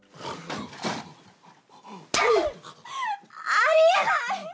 あり得ない！